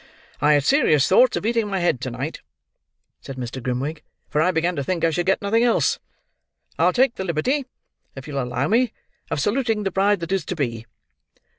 "I had serious thoughts of eating my head to night," said Mr. Grimwig, "for I began to think I should get nothing else. I'll take the liberty, if you'll allow me, of saluting the bride that is to be."